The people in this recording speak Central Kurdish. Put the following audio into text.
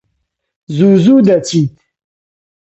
زوو زوو دەچیت؟